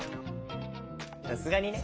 さすがにね。